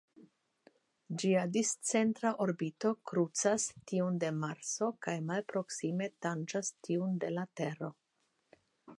Ĝia discentra orbito krucas tiun de Marso kaj malproksime tanĝas tiun de la Tero.